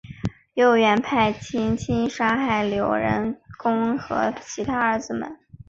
又派元行钦杀死刘仁恭的其他儿子们。